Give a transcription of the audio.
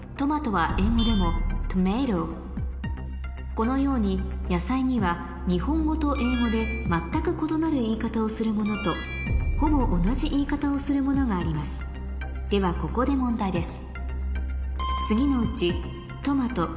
このように野菜には日本語と英語で全く異なる言い方をするものとほぼ同じ言い方をするものがありますではここで問題です